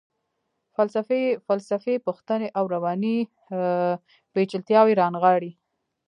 فلسفي پوښتنې او رواني پیچلتیاوې رانغاړي.